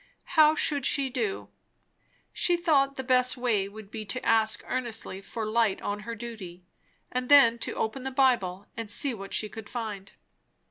How should she do? She thought the best way would be to ask earnestly for light on her duty; then to open the Bible and see what she could find.